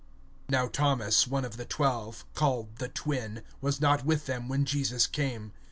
(24)But Thomas, one of the twelve, called Didymus, was not with them when Jesus came.